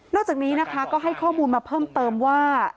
จากนี้นะคะก็ให้ข้อมูลมาเพิ่มเติมว่า